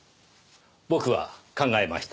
僕は考えました。